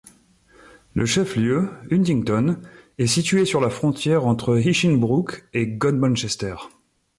Le chef-lieu, Huntingdon, est situé sur la frontière entre Hinchinbrook et Godmanchester.